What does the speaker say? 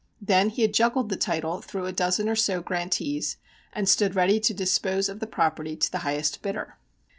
Then he had juggled the title through a dozen or so grantees, and stood ready to dispose of the property to the highest bidder.